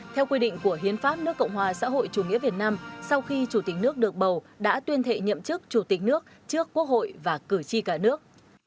theo quy định của hiến pháp nước cộng hòa xã hội chủ nghĩa việt nam sau khi chủ tịch nước được bầu đã tuyên thệ nhậm chức chủ tịch nước trước quốc hội và cử tri cả nước